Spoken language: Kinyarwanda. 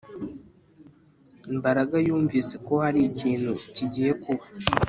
Mbaraga yumvise ko hari ikintu kigiye kuba